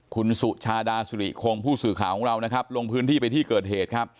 คุณสุชาดาสุริคงผู้สื่อข่าวของเรานะครับลงพื้นที่ไปที่เกิดเหตุครับ